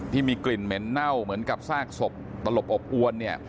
ที่มีกลิ่นเหม็นเน่าเหมือนกับซากศพตลบอบอวนเนี่ย